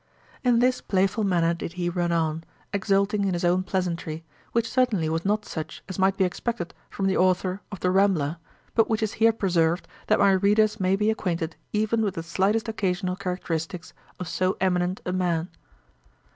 In this playful manner did he run on, exulting in his own pleasantry, which certainly was not such as might be expected from the authour of The Rambler, but which is here preserved, that my readers may be acquainted even with the slightest occasional characteristicks of so eminent a man.